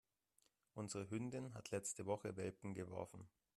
Unsere Hündin hat letzte Woche Welpen geworfen.